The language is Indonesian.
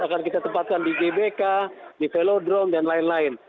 akan kita tempatkan di gbk di velodrome dan lain lain